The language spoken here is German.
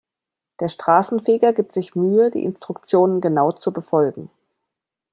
Der Straßenfeger gibt sich Mühe, die Instruktionen genau zu befolgen.